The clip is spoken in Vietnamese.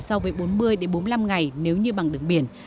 so với bốn mươi bốn mươi năm ngày nếu như bằng đường biển